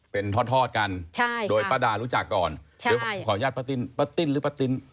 เป็นทอดทอดกันใช่โดยป้าดารู้จักก่อนเดี๋ยวขออนุญาตป้าติ้นป้าติ้นหรือป้าติ้น